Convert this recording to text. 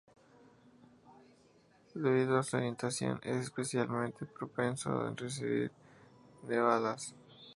Debido a su orientación, es especialmente propenso a recibir nevadas.